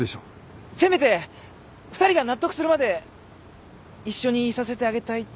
せめて２人が納得するまで一緒にいさせてあげたいっていうか。